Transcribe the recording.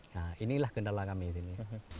nah inilah kendala kami disini